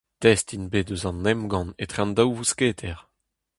Test int bet eus an emgann etre an daou vousketer.